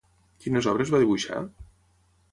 Quines obres va dibuixar?